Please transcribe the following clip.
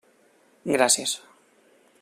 Gràcies.